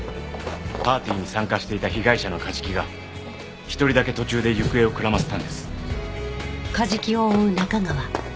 パーティーに参加していた被害者の梶木が１人だけ途中で行方をくらませたんです。